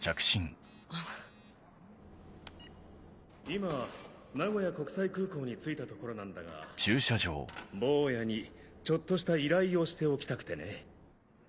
今名古屋国際空港に着いたところなんだが坊やにちょっとした依頼をしておきたくてね。